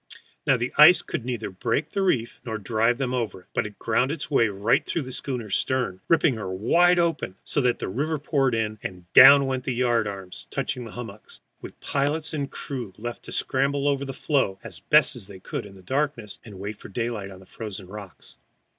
Now, the ice could neither break the reef nor drive them over it, but it ground its way right through the schooner's stern, ripping her wide open, so that the river poured in, and down they went until the yard arms touched the hummocks, with pilot and crew left to scramble over the floe as best they could in the darkness, and wait for daylight on the frozen rocks.